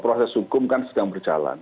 proses hukum kan sedang berjalan